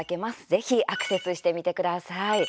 ぜひ、アクセスしてみてください。